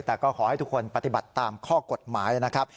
แต่ก็ขอให้ทุกคนปฏิบัติตามข้อกฎหมายนะครับ